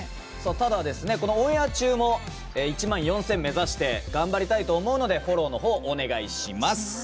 ただ、オンエア中も１万４０００目指して頑張りたいと思うのでフォローのほう、お願いします。